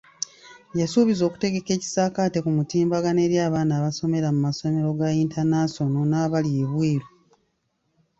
Yasuubiza okutegeka Ekisaakaate ku mutimbagano eri abaana abasomera mu masomero ga "Yintanansono" n'abali ebweru.